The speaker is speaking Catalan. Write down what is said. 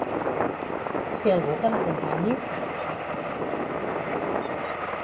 Té algú que l'acompanyi?